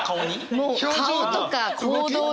もう顔とか行動に。